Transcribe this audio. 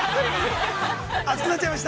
◆暑くなっちゃいました？